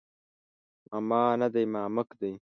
ماما نه دی مامک دی